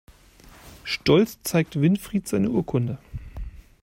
Stolz zeigt Winfried seine Urkunde.